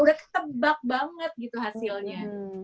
udah ketebak banget gitu hasilnya